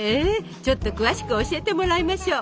ちょっと詳しく教えてもらいましょう。